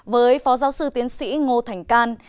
với phó giáo sư tiến sĩ ngô thành can